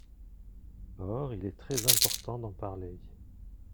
Or il est très important d’en parler.